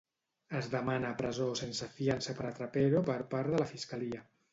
Es demana presó sense fiança per a Trapero per part de la Fiscalia.